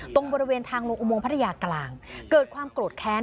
ตรงบริเวณทางลงอุโมงพัทยากลางเกิดความโกรธแค้น